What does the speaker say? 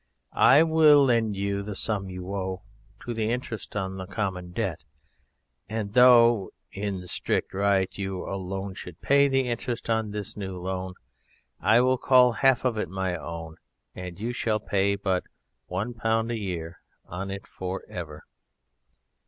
I will lend you the sum you owe to the interest on the Common Debt, and though in strict right you alone should pay the interest on this new loan I will call half of it my own and you shall pay but £1 a year on it for ever."